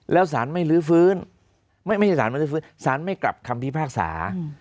แล้วสารไม่ลื้อฟื้นไม่ใช่สารไม่ลื้อฟื้นสารไม่กลับคำพิพากษา